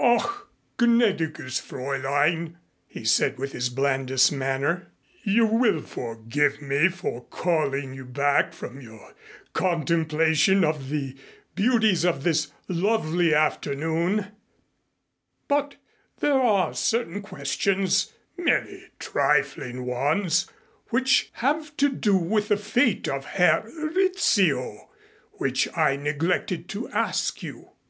"Ach, gnädiges Fräulein," he said with his blandest manner, "you will forgive me for calling you back from your contemplation of the beauties of this lovely afternoon, but there are certain questions, merely trifling ones, which have to do with the fate of Herr Rizzio which I neglected to ask you.